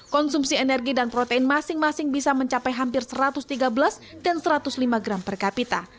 konsumsi energi dan protein masing masing bisa mencapai hampir satu ratus tiga belas dan satu ratus lima gram per kapita